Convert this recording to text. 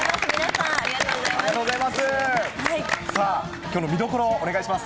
さあ、この見どころをお願いします。